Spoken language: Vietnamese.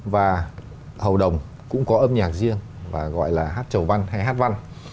và hầu đồng cũng có âm nhạc riêng và gọi là hát chầu văn hay hát văn